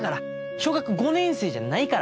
小学５年生じゃないから。